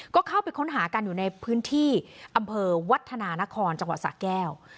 ก็เข้าไปค้นหากันอยู่ในพื้นที่อำเภอวัฒนานครจังหวัดสะแก้ว